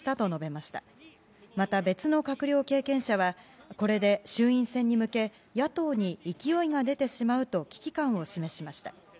また別の閣僚経験者はこれで衆院選に向け野党に勢いが出てしまうと危機感を示しました。